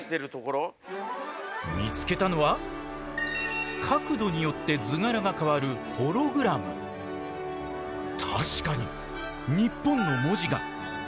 見つけたのは角度によって図柄が変わる確かに「ＮＩＰＰＯＮ」の文字が。